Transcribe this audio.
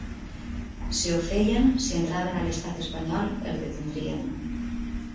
Si ho feien, si entraven a l’estat espanyol, els detindrien.